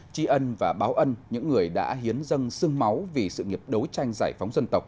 tri ân và báo ân những người đã hiến dân sương máu vì sự nghiệp đấu tranh giải phóng dân tộc